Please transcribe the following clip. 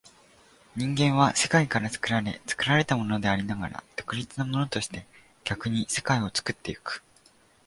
人間は世界から作られ、作られたものでありながら独立なものとして、逆に世界を作ってゆく。